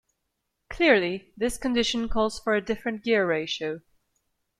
Clearly this condition calls for a different gear ratio.